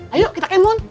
ayo kita kemun